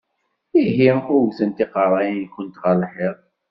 Ihi wwtemt iqeṛṛa-nkent ɣer lḥiḍ!